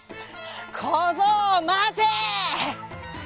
「こぞうまて」。